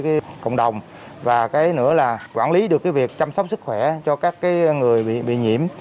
cái cộng đồng và cái nữa là quản lý được cái việc chăm sóc sức khỏe cho các người bị nhiễm